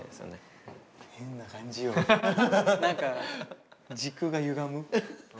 何か時空がゆがむ。